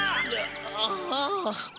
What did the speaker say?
ああ。